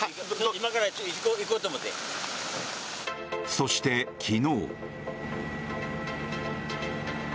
そして、昨日。